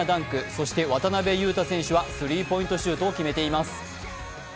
そして渡邊雄太選手はスリーポイントシュートを決めています。